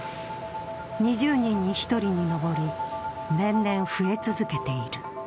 ２０人に１人に上り年々増え続けている。